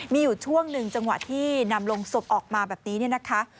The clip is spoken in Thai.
มีอยู่ช่วงหนึ่งจังหวะที่นำลงศพออกมาแบบนี้เนี่ยนะคะ